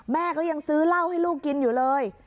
แม่ก็ยังซื้อเหล้าให้ลูกกินอยู่เลย